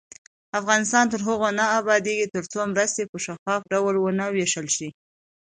افغانستان تر هغو نه ابادیږي، ترڅو مرستې په شفاف ډول ونه ویشل شي.